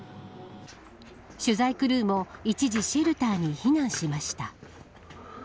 取材クルーも一時シェルターに避難しました。